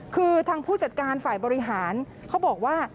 คือทางผู้จัดการฝ่ายบริหารเขาบอกว่า